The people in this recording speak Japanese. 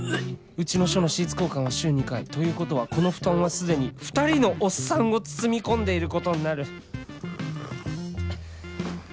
うちの署のシーツ交換は週２回ということはこの布団は既に２人のおっさんを包み込んでいることになる